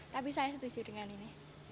tapi saya setuju dengan ini